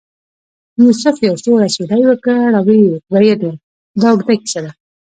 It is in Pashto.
یوسف یو سوړ اسویلی وکړ او ویل یې دا اوږده کیسه ده.